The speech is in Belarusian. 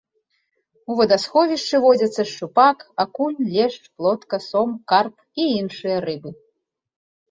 У вадасховішчы водзяцца шчупак, акунь, лешч, плотка, сом, карп і іншыя рыбы.